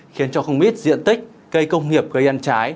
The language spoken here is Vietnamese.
khiến cho không ít diện tích cây công nghiệp gây ăn trái